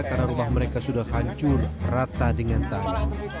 karena rumah mereka sudah hancur rata dengan tangan